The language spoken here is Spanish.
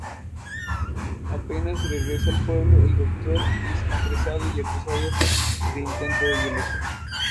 Apenas de regreso al pueblo, el doctor es apresado, acusado de intento de violación.